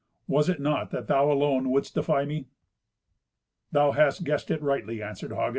Was it not that thou alone wouldst defy me?" "Thou hast guessed rightly," answered Hagen.